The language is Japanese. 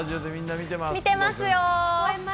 見てます？